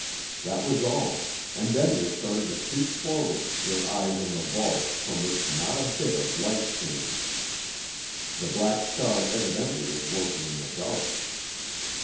That was all, and then they started to creep forward, their eyes on the vault, from which not a bit of light came. The Back Star evidently was working in the dark.